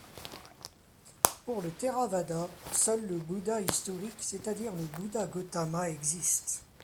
Pour le Theravada, seul le Bouddha historique, c'est-à-dire le bouddha Gautama existe.